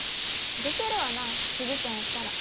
でけるわな鈴ちゃんやったら。